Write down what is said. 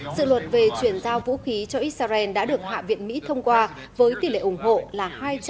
dự luật về chuyển giao vũ khí cho israel đã được hạ viện mỹ thông qua với tỷ lệ ủng hộ là hai trăm hai mươi bốn một trăm tám mươi bảy